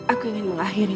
aku ingin mengakhiri